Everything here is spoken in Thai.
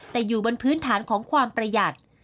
แต่อยู่บนพื้นฐานของความประหยัด